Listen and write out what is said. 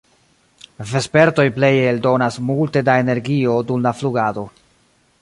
Vespertoj pleje eldonas multe da energio dum la flugado.